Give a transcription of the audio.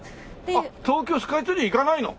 あっ東京スカイツリー行かないの？